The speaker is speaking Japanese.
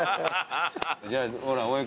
じゃあほら大江